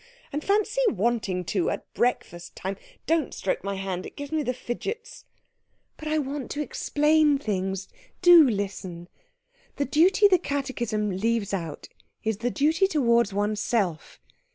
And fancy wanting to, at breakfast time. Don't stroke my hand it gives me the fidgets." "But I want to explain things do listen. The duty the catechism leaves out is the duty towards oneself.